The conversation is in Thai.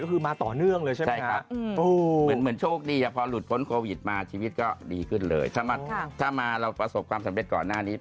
อุ้ยธรรมดาเราเป็นพ่อค้าใช่ไหมล่ะเราเป็นนักพูดนี่